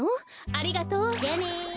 ありがとう。じゃあね。